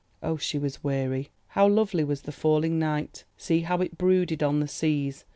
Oh, she was weary! How lovely was the falling night, see how it brooded on the seas!